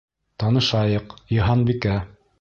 Танышайыҡ: Йыһанбикә.